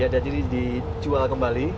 jadi dicual kembali